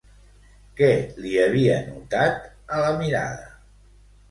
Què li havia notat a la mirada?